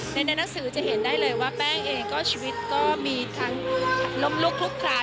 ในหนังสือจะเห็นได้เลยว่าแป้งเองก็ชีวิตก็มีทั้งล้มลุกลุกคลาน